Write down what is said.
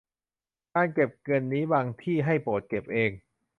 การเก็บเงินนี้บางที่ให้โบสถ์เก็บเอง